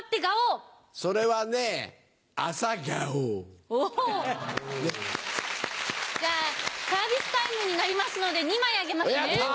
じゃサービスタイムになりますので２枚あげますね。